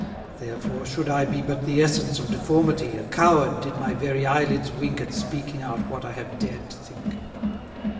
Therefore should I Be but the essence of deformity, A coward, did my very eye lids wink At speaking out what I have dared to think.